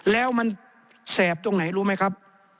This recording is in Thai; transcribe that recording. แล้วมันแสบตรงไหนรู้ไหมครับ